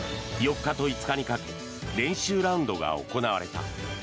４日と５日にかけ練習ラウンドが行われた。